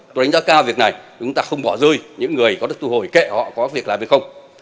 tôi đánh giá cao việc này chúng ta không bỏ rơi những người có đất thu hồi kệ họ có việc làm hay không